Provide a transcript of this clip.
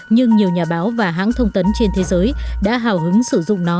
nhưng nhiều nhà báo và hãng thông tấn trên thế giới đã hào hứng sử dụng nó